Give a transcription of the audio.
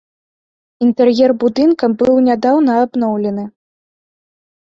Інтэр'ер будынка быў нядаўна абноўлены.